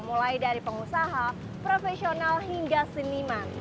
mulai dari pengusaha profesional hingga seniman